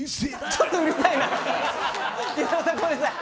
ちょっとうるさい！